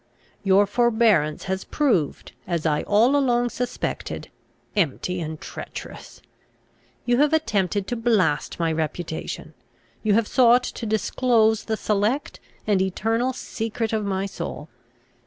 Your forbearance has proved, as I all along suspected, empty and treacherous. You have attempted to blast my reputation. You have sought to disclose the select and eternal secret of my soul.